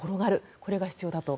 これが必要だと。